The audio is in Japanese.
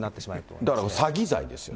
だから詐欺罪ですよ。